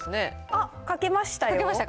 あっ、書けましたよ。